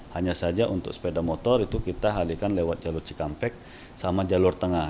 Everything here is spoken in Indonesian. hanya saja untuk sepeda motor itu kita hadirkan lewat jalur cikampek sama jalur tengah